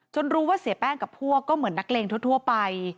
รู้ว่าเสียแป้งกับพวกก็เหมือนนักเลงทั่วไป